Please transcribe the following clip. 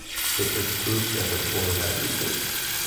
It is grouped into four languages.